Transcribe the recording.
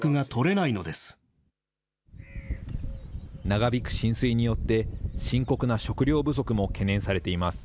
長引く浸水によって、深刻な食料不足も懸念されています。